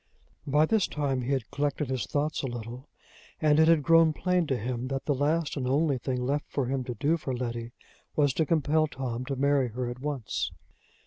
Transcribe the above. By this time he had collected his thoughts a little, and it had grown plain to him that the last and only thing left for him to do for Letty was to compel Tom to marry her at once.